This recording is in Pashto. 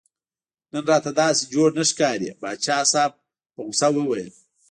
نن راته داسې جوړ نه ښکارې پاچا صاحب په غوسه وویل.